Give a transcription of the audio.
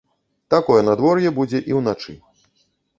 Такое надвор'е будзе і ўначы.